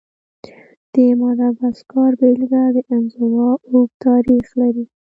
د ماداګاسکار بېلګه د انزوا اوږد تاریخ لري.